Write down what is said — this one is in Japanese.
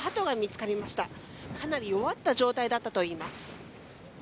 かなり弱った状態だったといいます。